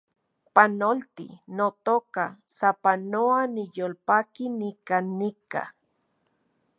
Panolti, notoka , sapanoa niyolpaki nikan nika